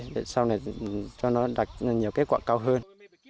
để sau này cho nó đạt nhiều kết quả cao hơn